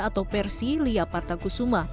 atau persi lia parta kusuma